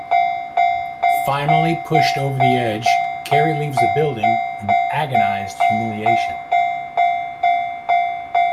Finally pushed over the edge, Carrie leaves the building in agonized humiliation.